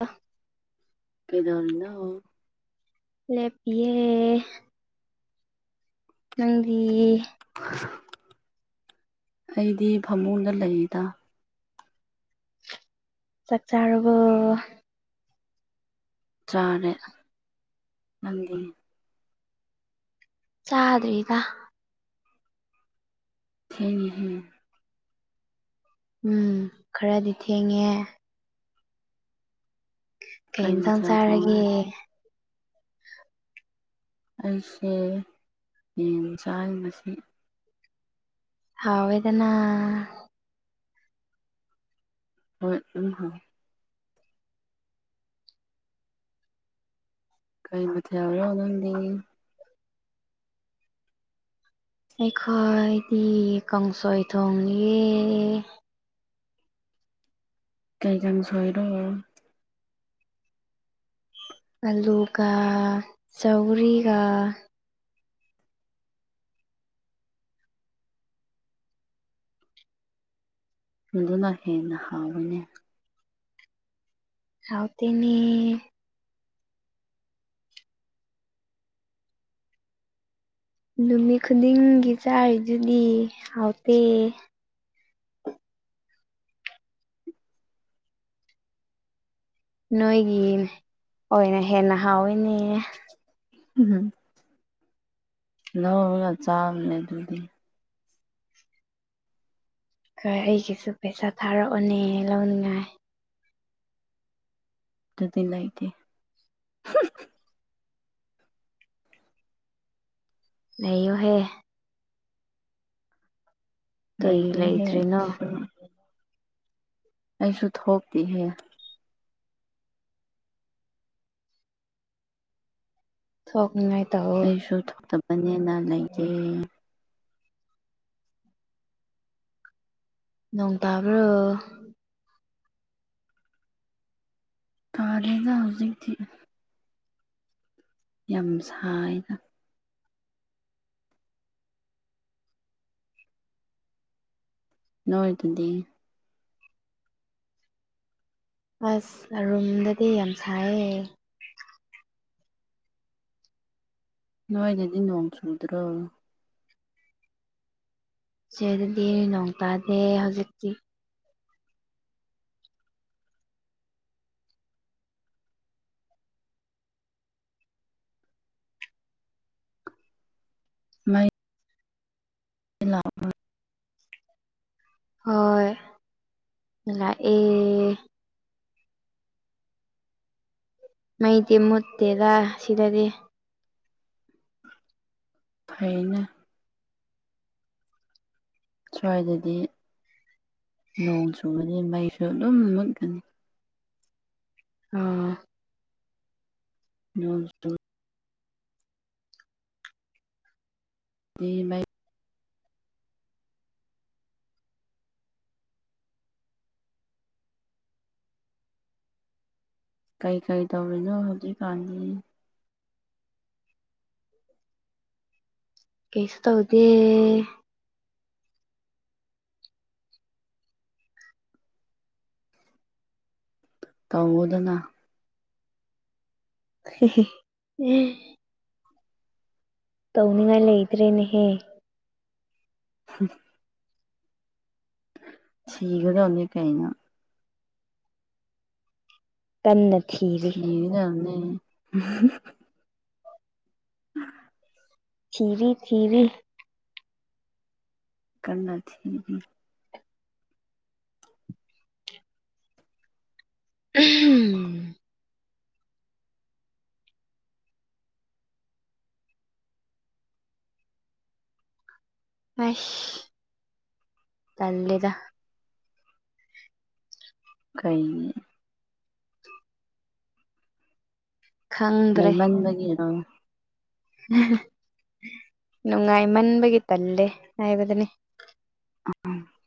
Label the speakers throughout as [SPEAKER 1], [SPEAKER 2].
[SPEAKER 1] INAUDIBLE
[SPEAKER 2] ꯀꯩꯗꯧꯔꯤꯅꯣ
[SPEAKER 1] ꯂꯦꯞꯄꯤꯌꯦ ꯅꯪꯗꯤꯢ
[SPEAKER 2] ꯑꯩꯗꯤ ꯐꯃꯨꯡꯗ ꯂꯩꯗ
[SPEAKER 1] ꯆꯥꯛ ꯆꯥꯔꯕꯣ
[SPEAKER 2] ꯆꯥꯔꯦ ꯅꯪꯗꯤ
[SPEAKER 1] ꯆꯥꯗ꯭ꯔꯤꯗ
[SPEAKER 2] ꯊꯦꯡꯉꯦꯍꯦ
[SPEAKER 1] ꯎꯝ ꯈꯔꯗꯤ ꯊꯦꯡꯉꯦ ꯀꯩ ꯏꯟꯁꯥꯡ
[SPEAKER 2] ꯃꯊꯦꯜ ꯊꯣꯡꯉꯦ
[SPEAKER 1] ꯆꯥꯔꯒꯦ
[SPEAKER 2] ꯑꯩꯁꯦ ꯌꯦꯟ ꯆꯥꯏ ꯉꯁꯤ
[SPEAKER 1] ꯍꯥꯎꯋꯦꯗꯅ
[SPEAKER 2] ꯍꯣꯏ ꯎꯝ ꯍꯥꯎ ꯀꯩ ꯃꯊꯦꯜꯔꯣ ꯅꯪꯗꯤ
[SPEAKER 1] ꯑꯩꯈꯣꯏꯗꯤ ꯀꯥꯡꯁꯣꯏ ꯊꯣꯡꯌꯦ
[SPEAKER 2] ꯀꯩ ꯀꯥꯡꯁꯣꯏꯔꯣ
[SPEAKER 1] ꯑꯂꯨꯒ ꯆꯧꯔꯤꯒ
[SPEAKER 2] ꯑꯗꯨꯅ ꯍꯦꯟꯅ ꯍꯥꯎꯕꯅꯦ
[SPEAKER 1] ꯍꯥꯎꯇꯦꯅꯦ ꯅꯨꯃꯤꯠ ꯈꯨꯗꯤꯡꯒꯤ ꯆꯥꯔꯤꯗꯨꯗꯤ ꯍꯥꯎꯇꯦ ꯅꯣꯏꯒꯤ ꯑꯣꯏꯅ ꯍꯦꯟꯅ ꯍꯥꯎꯋꯦꯅꯦ
[SPEAKER 2] ꯎꯝ [unintelligible] ꯆꯥꯕꯅꯦ ꯑꯗꯨꯗꯤ
[SPEAKER 1] ꯈꯣꯏ ꯑꯩꯒꯤꯁꯨ ꯄꯩꯁꯥ ꯊꯥꯔꯛꯑꯣꯅꯦ ꯂꯧꯅꯤꯡꯉꯥꯏ
[SPEAKER 2] ꯗꯨꯗꯤ ꯂꯩꯇꯦ
[SPEAKER 1] ꯂꯩꯌꯣꯍꯦ ꯀꯩ
[SPEAKER 2] ꯂꯩꯇꯦꯍꯦ
[SPEAKER 1] ꯂꯩꯇ꯭ꯔꯤꯅꯣ
[SPEAKER 2] ꯑꯩꯁꯨ ꯊꯣꯛꯇꯤꯍꯦ
[SPEAKER 1] ꯊꯣꯛꯅꯤꯉꯥꯏ ꯇꯧ
[SPEAKER 2] ꯑꯩꯁꯨ ꯊꯣꯛꯇꯕꯅꯦꯅ ꯂꯩꯇꯦ
[SPEAKER 1] ꯅꯣꯡ ꯇꯥꯕ꯭ꯔꯣ
[SPEAKER 2] ꯇꯥꯗꯦꯗ ꯍꯧꯖꯤꯛꯊꯤ ꯌꯥꯝ ꯁꯥꯏꯗ ꯅꯣꯏ ꯗꯨꯗꯤ
[SPEAKER 1] ꯑꯁ ꯑꯔꯨꯝꯗꯗꯤ ꯌꯥꯝ ꯁꯥꯏꯌꯦ
[SPEAKER 2] ꯅꯣꯏꯗꯗꯤ ꯅꯣꯡ ꯆꯨꯗ꯭ꯔꯣ
[SPEAKER 1] [unintelligible] ꯅꯣꯡ ꯇꯥꯗꯦ ꯍꯧꯖꯤꯛꯇꯤ
[SPEAKER 2] ꯃꯩ [inaudible]
[SPEAKER 1] ꯍꯣꯏ ꯂꯥ ꯑꯦ ꯃꯩꯗꯤ ꯃꯨꯠꯇꯦꯗ ꯁꯤꯗꯗꯤ
[SPEAKER 2] ꯐꯩꯅ ꯁ꯭ꯋꯥꯏꯗꯗꯤ ꯅꯣꯡ ꯆꯨꯕꯅꯤ ꯃꯩꯁꯨ ꯑꯗꯨꯝ ꯃꯨꯠꯀꯅꯤ
[SPEAKER 1] ꯑꯥ
[SPEAKER 2] [inaudible] ꯇꯤ ꯃꯩ ꯀꯩ ꯀꯩ ꯇꯧꯔꯤꯅꯣ ꯍꯧꯖꯤꯛꯀꯥꯟꯗꯤ
[SPEAKER 1] ꯀꯩꯁꯨ ꯇꯧꯗꯦ
[SPEAKER 2] ꯇꯧꯋꯣꯗꯅ
[SPEAKER 1] [unintelligible] ꯇꯧꯅꯤꯡꯉꯥꯏ ꯂꯩꯇ꯭ꯔꯦꯅꯦꯍꯦ
[SPEAKER 2] ꯍꯝ ꯊꯤꯒꯗꯝꯅꯤ ꯀꯩꯅꯣ
[SPEAKER 1] ꯀꯟꯅ ꯊꯤꯔꯤ
[SPEAKER 2] [unintelligible]
[SPEAKER 1] ꯊꯤꯔꯤ ꯊꯤꯔꯤ
[SPEAKER 2] ꯀꯟꯅ ꯊꯤꯔꯤ
[SPEAKER 1] [unintelligible] ꯑꯁ ꯇꯜꯂꯦꯗ
[SPEAKER 2] ꯀꯩꯅꯤ ꯃꯩ
[SPEAKER 1] ꯈꯪꯗ꯭ꯔꯦ
[SPEAKER 2] ꯃꯟꯕꯒꯤꯔꯣ
[SPEAKER 1] ꯅꯨꯡꯉꯥꯏꯃꯟꯕꯒꯤ ꯇꯜꯂꯦ ꯍꯥꯏꯕꯗꯨꯅꯤ
[SPEAKER 2] [inaudible]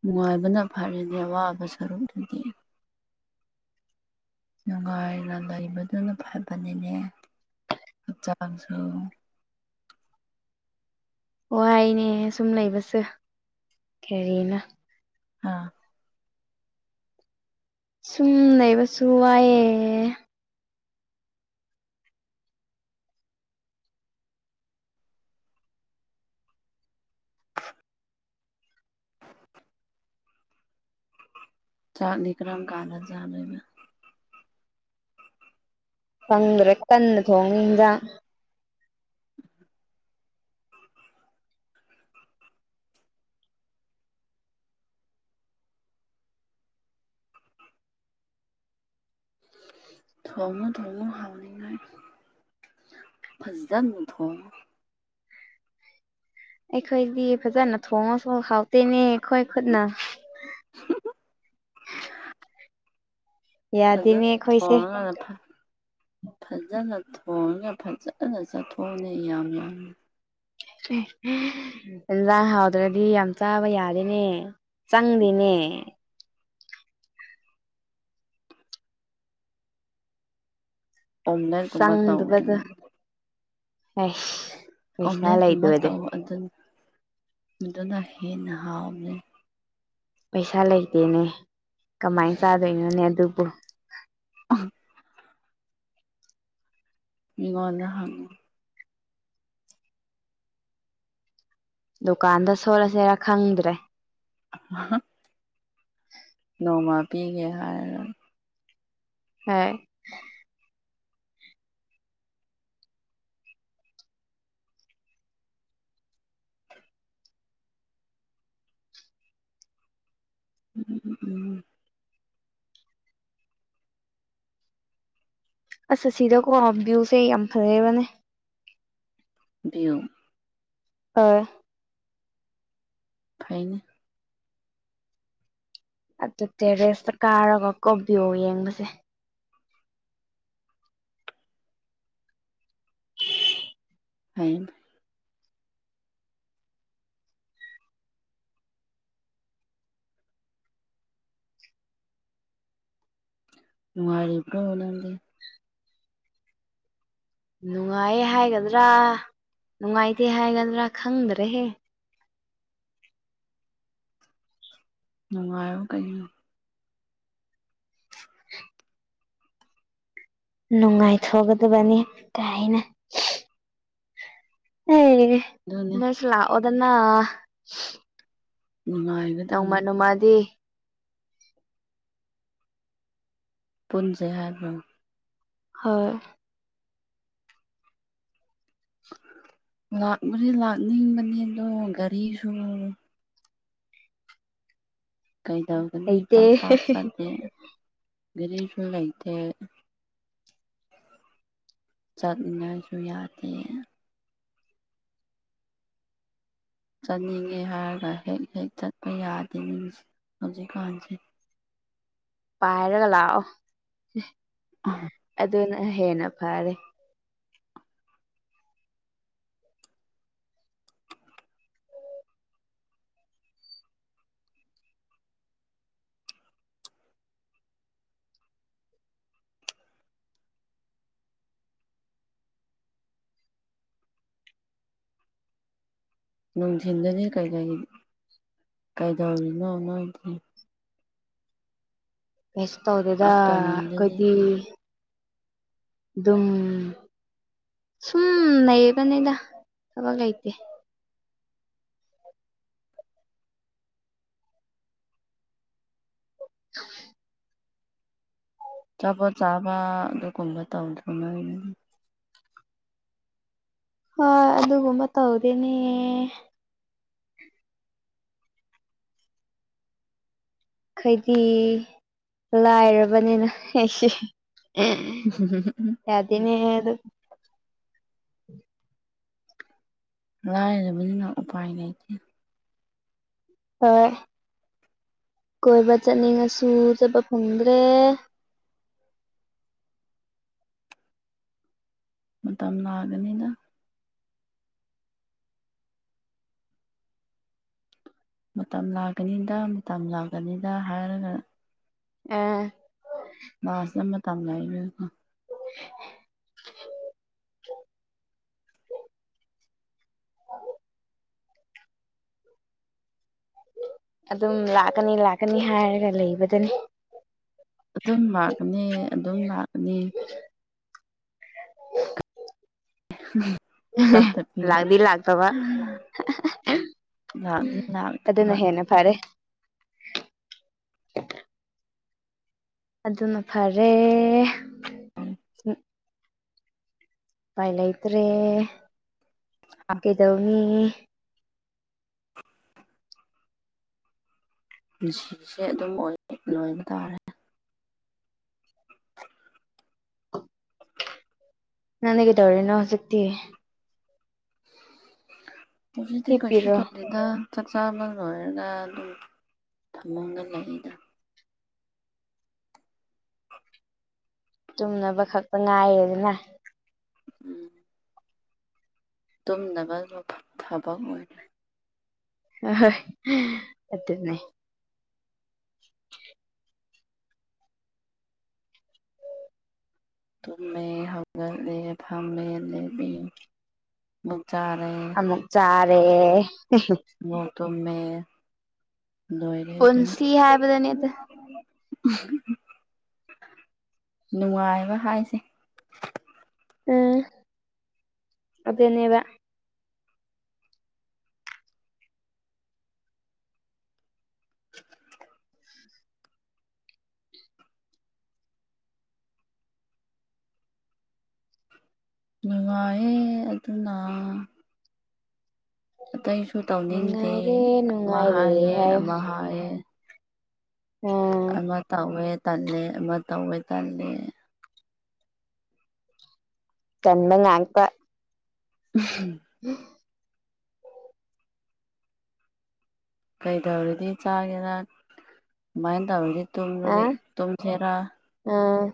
[SPEAKER 2] ꯅꯨꯡꯉꯥꯏꯕꯅ ꯐꯔꯦꯅꯦ ꯑꯋꯥꯕ ꯁꯔꯨꯛꯇꯨꯗꯤ ꯅꯨꯡꯉꯥꯏꯅ ꯂꯩꯕꯗꯨꯅ ꯐꯕꯅꯦꯅꯦ ꯍꯛꯆꯥꯡꯁꯨ
[SPEAKER 1] ꯋꯥꯏꯅꯦ ꯁꯨꯝ ꯂꯩꯕꯁ ꯀꯔꯤꯅꯣ
[SPEAKER 2] ꯍꯥꯥ
[SPEAKER 1] ꯁꯨꯝ ꯂꯩꯕꯁꯨ ꯋꯥꯏꯌꯦ
[SPEAKER 2] [inaudible] ꯆꯥꯛꯅꯤ ꯀ꯭ꯔꯝ ꯀꯥꯟꯗ ꯆꯥꯗꯣꯏꯕ
[SPEAKER 1] ꯈꯪꯗ꯭ꯔꯦ ꯀꯟꯅ ꯊꯣꯡꯉꯤ ꯏꯪꯖꯥꯡ
[SPEAKER 2] [inaudible] ꯊꯣꯡꯉꯨ ꯊꯣꯡꯉꯨ ꯍꯥꯎꯅꯤꯉꯥꯏ ꯐꯖꯟ ꯊꯣꯡꯉꯣ
[SPEAKER 1] ꯑꯩꯈꯣꯏꯗꯤ ꯐꯖꯅ ꯊꯣꯡꯉꯁꯨ ꯍꯥꯎꯇꯦꯅꯦ ꯈꯣꯏ ꯈꯨꯠꯅ
[SPEAKER 2] [unintelligible] ꯐꯖ
[SPEAKER 1] ꯌꯥꯗꯦꯅꯦ ꯑꯩꯈꯣꯏꯁꯦ
[SPEAKER 2] ꯊꯣꯡꯔꯒ ꯐ ꯐꯖꯅ ꯊꯣꯡꯔꯒ ꯐꯖꯅ ꯆꯠꯊꯣꯛꯑꯅꯤ ꯌꯥꯝ ꯌꯥꯝꯅ
[SPEAKER 1] [unintelligible] ꯑꯦꯟꯖꯥꯡ ꯍꯥꯎꯗ꯭ꯔꯗꯤ ꯌꯥꯝ ꯆꯥꯕ ꯌꯥꯗꯦꯅꯦ ꯆꯪꯗꯦꯅꯦ
[SPEAKER 2] ꯑꯣꯝꯂꯦꯠꯀꯨꯝꯕ
[SPEAKER 1] ꯆꯪꯗꯕꯗꯣ
[SPEAKER 2] ꯇꯧꯗꯅ ꯗꯨꯗꯤ
[SPEAKER 1] ꯑꯩꯁ ꯄꯩꯁꯥ ꯂꯩꯇꯕꯗꯤ
[SPEAKER 2] ꯑꯗꯨꯟ ꯃꯗꯨꯅ ꯍꯦꯟꯅ ꯍꯥꯎꯕꯅꯤ
[SPEAKER 1] ꯄꯩꯁꯥ ꯂꯩꯇꯦꯅꯦ ꯀꯃꯥꯏꯟ ꯆꯥꯗꯣꯏꯅꯣꯅꯦ ꯑꯗꯨꯕꯨ
[SPEAKER 2] [unintelligible] ꯃꯤꯉꯣꯟꯗ ꯍꯪꯉꯨ
[SPEAKER 1] ꯗꯨꯀꯥꯟꯗ ꯁꯣꯂꯁꯤꯔ ꯈꯪꯗ꯭ꯔꯦ
[SPEAKER 2] [unintelligible] ꯅꯣꯡꯃ ꯄꯤꯒꯦ ꯍꯥꯏꯔ
[SPEAKER 1] ꯍꯩ
[SPEAKER 2] [inaudible] [unintelligible]
[SPEAKER 1] ꯑꯁ ꯑꯁꯤꯗꯀꯣ ꯚ꯭ꯌꯨꯁꯦ ꯌꯥꯝ ꯐꯖꯩꯕꯅꯦ
[SPEAKER 2] ꯕꯤꯌꯨ
[SPEAKER 1] ꯑꯏ
[SPEAKER 2] ꯐꯩꯅꯦ
[SPEAKER 1] ꯑꯗꯨ ꯇꯦꯔꯦꯁꯇ ꯀꯥꯔꯒ ꯀꯣ ꯕꯤꯌꯨ ꯌꯦꯡꯕꯁꯦ
[SPEAKER 2] ꯍꯩꯃ ꯅꯨꯡꯉꯥꯏꯔꯤꯀꯣ ꯅꯪꯗꯤ
[SPEAKER 1] ꯅꯨꯡꯉꯥꯏ ꯍꯥꯏꯒꯗ꯭ꯔꯥ ꯅꯨꯡꯉꯥꯏꯇꯦ ꯍꯥꯏꯒꯗ꯭ꯔꯥ ꯈꯪꯗ꯭ꯔꯦꯍꯦ
[SPEAKER 2] ꯅꯨꯡꯉꯥꯏꯌꯣ ꯀꯩ
[SPEAKER 1] [unintelligible] ꯅꯨꯡꯉꯥꯏꯊꯣꯛꯒꯗꯕꯅꯤ ꯀꯥꯏꯅ ꯍꯩ
[SPEAKER 2] ꯑꯗꯨꯅꯦ
[SPEAKER 1] ꯅꯣꯏꯁꯨ ꯂꯥꯛꯑꯣꯗꯅꯥ
[SPEAKER 2] ꯅꯨꯡꯉꯥꯏ
[SPEAKER 1] ꯅꯣꯡꯃ ꯅꯣꯡꯃꯗꯤ
[SPEAKER 2] ꯄꯨꯟꯖꯩ ꯍꯥꯏꯒ꯭ꯔꯝ
[SPEAKER 1] ꯍꯣꯏ
[SPEAKER 2] ꯂꯥꯛꯄꯗꯤ ꯂꯥꯛꯅꯤꯡꯕꯅꯤ ꯑꯗꯣ ꯒꯥꯔꯤꯁꯨ ꯀꯩꯗꯧꯒꯅꯤ
[SPEAKER 1] ꯂꯩꯇꯦ
[SPEAKER 2] ꯄꯥꯛ ꯄꯥꯛ ꯆꯥꯠꯇꯦ ꯒꯥꯔꯤꯁꯨ ꯂꯩꯇꯦ ꯆꯠꯅꯤꯡꯉꯥꯏꯁꯨ ꯌꯥꯗꯦ ꯆꯠꯅꯤꯡꯉꯦ ꯍꯥꯏꯔꯒ ꯍꯦꯛ ꯍꯦꯛ ꯆꯠꯄ ꯌꯥꯗꯦꯅꯤ ꯍꯧꯖꯤꯛꯀꯥꯟꯁꯦ
[SPEAKER 1] ꯄꯥꯏꯔꯒ ꯂꯥꯛ ꯑꯣ
[SPEAKER 2] ꯎꯝ
[SPEAKER 1] ꯑꯗꯨꯅ ꯍꯦꯟꯅ ꯐꯔꯦ
[SPEAKER 2] ꯅꯨꯡꯊꯤꯟꯜꯗꯅꯤ ꯀꯩꯀꯩ ꯀꯩꯗꯧꯔꯤꯅꯣ ꯅꯣꯏꯗꯤ
[SPEAKER 1] ꯀꯩꯁꯨ ꯇꯧꯗꯦꯗ
[SPEAKER 2] ꯑꯥꯐꯇꯔꯅꯨꯟꯗꯗꯤ
[SPEAKER 1] ꯑꯩꯈꯣꯏꯗꯤ ꯑꯗꯨꯝ ꯁꯨꯝ ꯂꯩꯕꯅꯤꯗ ꯊꯕꯛ ꯂꯩꯇꯦ [unintelligible]
[SPEAKER 2] ꯆꯥꯄꯣꯠ ꯆꯥꯕ ꯑꯗꯨꯒꯨꯝꯕ ꯇꯧꯗꯉꯥꯏꯔꯤ
[SPEAKER 1] ꯍꯣꯏ ꯑꯗꯨꯒꯨꯝꯕ ꯇꯧꯗꯤꯅꯤ ꯈꯩꯗꯤ ꯂꯥꯏꯔꯕꯅꯤꯅ ꯑꯦ ꯌꯥꯗꯦꯅꯦ [unintelligible]
[SPEAKER 2] ꯂꯥꯏꯔꯕꯅꯤꯅ ꯎꯄꯥꯏ ꯂꯩꯇꯦ
[SPEAKER 1] ꯍꯣꯏ ꯀꯣꯏꯕ ꯆꯠꯅꯤꯡꯉꯁꯨ ꯆꯠꯄ ꯐꯪꯗ꯭ꯔꯦ
[SPEAKER 2] ꯃꯇꯝ ꯅꯥꯒꯅꯤꯅ ꯃꯇꯝ ꯂꯥꯛꯀꯅꯤꯗ ꯃꯇꯝ ꯂꯥꯛꯀꯅꯤꯗ ꯍꯥꯏꯔꯒ
[SPEAKER 1] ꯎꯝ
[SPEAKER 2] ꯃꯥꯁꯅ ꯃꯇꯝ [unintelligible]
[SPEAKER 1] [unintelligible] ꯑꯗꯨꯝ ꯂꯥꯛꯀꯅꯤ ꯂꯥꯛꯀꯅꯤ ꯍꯥꯏꯔꯒ ꯂꯩꯕꯗꯅꯤ
[SPEAKER 2] ꯑꯗꯨꯝ ꯂꯥꯛꯀꯅꯤ ꯑꯗꯨꯝ ꯂꯥꯛꯑꯅꯤ
[SPEAKER 1] [unintelligible]
[SPEAKER 2] ꯎꯝ
[SPEAKER 1] ꯂꯥꯛꯗꯤ ꯂꯥꯛꯇꯕ
[SPEAKER 2] ꯂꯥꯛꯇꯤ ꯂꯥꯛꯇꯕ
[SPEAKER 1] ꯑꯗꯨꯅ ꯍꯦꯟꯅ ꯐꯔꯦ ꯑꯗꯨꯅ ꯐꯔꯦ ꯎꯄꯥꯏ ꯂꯩꯇ꯭ꯔꯦ
[SPEAKER 2] ꯄꯨꯟꯁꯤꯁꯦ
[SPEAKER 1] ꯀꯩꯗꯧꯅꯤ
[SPEAKER 2] ꯄꯨꯟꯁꯤꯁꯦ ꯑꯗꯨꯝ ꯑꯣꯏ ꯂꯣꯏꯕ ꯇꯥꯔꯦ
[SPEAKER 1] ꯅꯪꯗꯤ ꯀꯩꯗꯧꯔꯤꯅꯣ ꯍꯧꯖꯤꯛꯇꯤ
[SPEAKER 2] ꯍꯧꯖꯤꯛꯇꯤ ꯀꯩꯁꯨ
[SPEAKER 1] ꯍꯤꯞꯄꯤꯔꯣ
[SPEAKER 2] ꯇꯧꯗꯦ ꯗꯦꯗ ꯆꯥꯛ ꯆꯥꯕ ꯂꯣꯏꯔꯒ ꯑꯗꯨꯝ ꯊꯝꯃꯨꯡꯗ ꯂꯩꯗ
[SPEAKER 1] ꯇꯨꯝꯅꯕ ꯈꯛꯇ ꯉꯥꯏꯔꯦꯗꯅ
[SPEAKER 2] ꯎꯝ ꯇꯨꯝꯅꯕ ꯃ ꯊꯕꯛ ꯑꯣꯏꯔꯦ
[SPEAKER 1] ꯑꯍꯣꯏ ꯑꯗꯨꯅꯦ [inaudible]
[SPEAKER 2] ꯇꯨꯝꯃꯦ ꯍꯧꯒꯠꯂꯦ ꯐꯝꯃꯦ ꯂꯦꯃꯤ ꯃꯨꯛ ꯆꯥꯔꯦ
[SPEAKER 1] ꯃꯨꯛ ꯆꯥꯔꯦ
[SPEAKER 2] ꯃꯣꯛ ꯇꯨꯝꯃꯦ ꯂꯣꯏꯔꯦ ꯑꯗꯨꯅ
[SPEAKER 1] ꯄꯨꯟꯁꯤ ꯍꯥꯏꯕꯗꯨꯅꯤ ꯑꯗꯨ
[SPEAKER 2] ꯅꯨꯡꯉꯥꯏꯕ ꯍꯥꯏꯁꯦ
[SPEAKER 1] ꯑ ꯑꯗꯅꯦꯕ
[SPEAKER 2] [inaudible] ꯅꯨꯡꯉꯥꯏꯌꯦ ꯑꯗꯨꯅ ꯑꯇꯩꯁꯨ ꯇꯧꯅꯤꯡꯗꯦ
[SPEAKER 1] ꯅꯨꯡꯉꯥꯏꯔꯦ
[SPEAKER 2] ꯑꯃ
[SPEAKER 1] ꯅꯨꯡꯉꯥꯏꯔꯦ
[SPEAKER 2] ꯍꯥꯏꯌꯦ
[SPEAKER 1] ꯍꯥꯏꯌꯣ
[SPEAKER 2] ꯑꯃ ꯍꯥꯏꯌꯦ
[SPEAKER 1] ꯑꯣ
[SPEAKER 2] ꯑꯃ ꯇꯧꯋꯦ ꯇꯜꯂꯦ ꯑꯃ ꯇꯧꯋꯦ ꯇꯜꯂꯦ
[SPEAKER 1] ꯇꯟꯕ ꯉꯥꯛꯄ
[SPEAKER 2] [unintelligible]
[SPEAKER 1] [inaudible]
[SPEAKER 2] ꯀꯩꯗꯧꯔꯗꯤ ꯆꯥꯒꯦꯔꯥ ꯀꯃꯥꯏꯟ ꯇꯧꯔꯗꯤ
[SPEAKER 1] ꯑ
[SPEAKER 2] ꯇꯨꯝꯔꯗꯤ ꯇꯨꯝꯁꯦꯔꯥ
[SPEAKER 1] ꯑꯥ